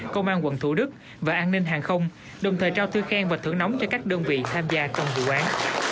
công an quận thủ đức và an ninh hàng không đồng thời trao thư khen và thưởng nóng cho các đơn vị tham gia trong vụ án